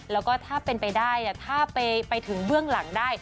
แล้วก็ถ้าเป็นไปได้ถ้าไปถึงเบื้องหลังได้